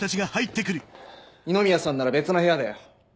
二宮さんなら別の部屋だよ。